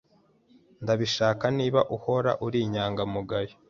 Ndabishaka niba uhora uri inyangamugayo.